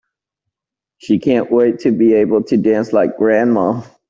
She can't wait to be able to dance like grandma!